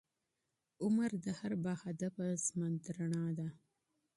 عمر د هر باهدفه ژوند رڼا ده.